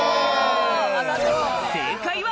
正解は。